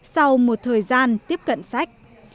sau một thời gian tiếp cận sách